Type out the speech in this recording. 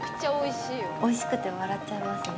美味しくて笑っちゃいますね